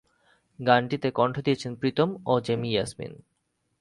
গানটিতে কণ্ঠ দিয়েছেন প্রীতম ও জেমি ইয়াসমিন।